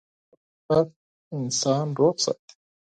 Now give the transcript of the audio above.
د اوبو څښاک انسان روغ ساتي.